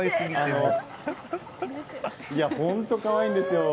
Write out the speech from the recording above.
本当にかわいいんですよ。